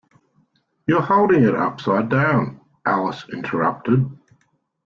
‘You’re holding it upside down!’ Alice interrupted.